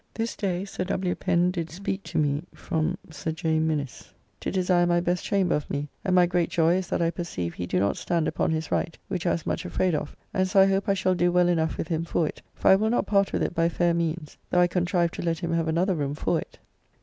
This day Sir W. Pen did speak to me from Sir J. Minnes to desire my best chamber of me, and my great joy is that I perceive he do not stand upon his right, which I was much afraid of, and so I hope I shall do well enough with him for it, for I will not part with it by fair means, though I contrive to let him have another room for it.